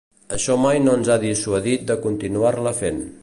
Això mai no ens ha dissuadit de continuar-la fent.